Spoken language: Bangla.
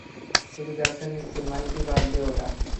শুধু ব্যাগটা নিচ্ছি - মাইকি, বাদ দে ওটা।